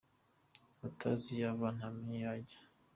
Utazi iyo ava, ntamenya iyo ajya.